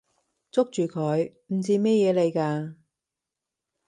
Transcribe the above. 捉住佢！唔知咩嘢嚟㗎！